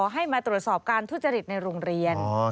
ให้มาตรวจสอบการทุจริตในโรงเรียน